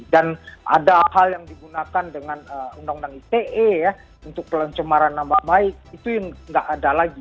dan ada hal yang digunakan dengan undang undang ite ya untuk kelencemaran nama baik itu yang tidak ada lagi